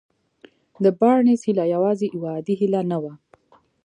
د بارنس هيله يوازې يوه عادي هيله نه وه.